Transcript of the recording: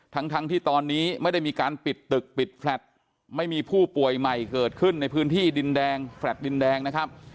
ทั้งที่ตอนนี้ไม่ได้มีการปิดตึกปิดแฟลตไม่มีผู้ป่วยใหม่เกิดขึ้นในพื้นที่ดินแดงแฟลต์ดินแดงนะครับ